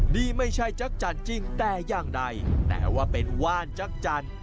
นี่ไม่ใช่จักรจันทร์จริงแต่อย่างใดแต่ว่าเป็นว่านจักรจันทร์